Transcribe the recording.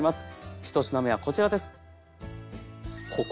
１品目はこちらです。